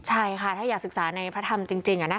ใช่ค่ะถ้าอยากศึกษาในพระธรรมจริง